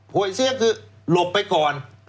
วยเสี้ยคือหลบไปก่อน